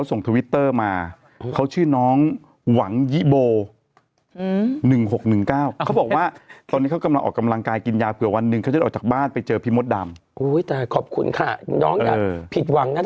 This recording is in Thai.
อุ้ยแต่ขอบคุณค่ะน้องอยากผิดหวังนะถ้าเจอพี่